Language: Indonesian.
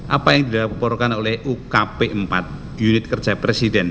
apa yang dilaporkan oleh ukp empat unit kerja presiden